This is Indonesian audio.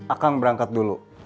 akang berangkat dulu